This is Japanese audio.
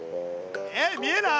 えっ見えない？